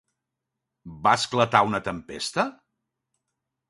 Va esclatar una tempesta?